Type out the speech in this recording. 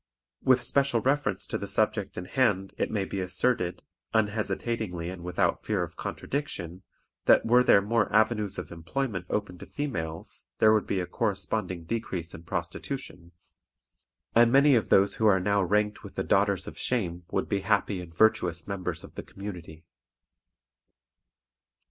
With special reference to the subject in hand it may be asserted, unhesitatingly and without fear of contradiction, that were there more avenues of employment open to females there would be a corresponding decrease in prostitution, and many of those who are now ranked with the daughters of shame would be happy and virtuous members of the community.